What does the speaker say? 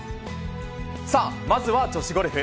さあ、まずは女子ゴルフ。